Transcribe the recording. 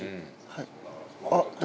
はい。